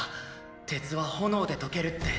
鉄は炎で溶けるって！